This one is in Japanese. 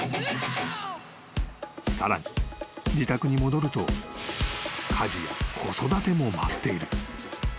［さらに自宅に戻ると家事や子育ても待っている］